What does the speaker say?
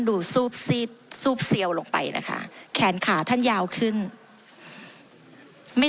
ดูซูบซีดซูบเซียวลงไปนะคะแขนขาท่านยาวขึ้นไม่